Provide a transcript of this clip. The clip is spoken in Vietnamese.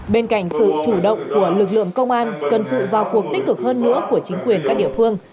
bên cạnh sự chủ động của lực lượng công an cần sự vào cuộc tích cực hơn nữa của chính quyền các địa phương